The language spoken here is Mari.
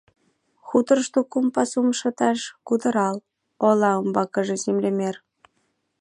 — Хуторышто кум пасум шыташ кутырал, — ойла умбакыже землемер.